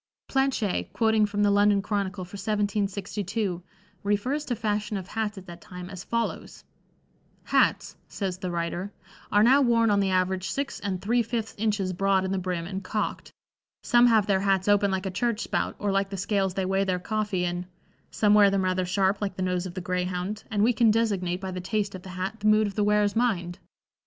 Planché, quoting from the London Chronicle for 1762, refers to fashion of hats at that time as follows: "Hats," says the writer, "are now worn on the average six and three fifths inches broad in the brim and cocked. Some have their hats open like a church spout or like the scales they weigh their coffee in; some wear them rather sharp like the nose of the greyhound, and we can designate by the taste of the hat the mood of the wearer's mind.